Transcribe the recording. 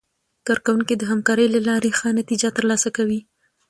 کارکوونکي د همکارۍ له لارې ښه نتیجه ترلاسه کوي